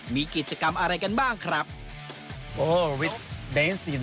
มีกิจกรรมอะไรกันบ้างครับ